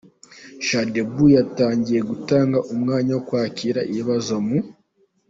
Shadyboo yatangiye gutanga umwanya wo kwakira ibibazo mu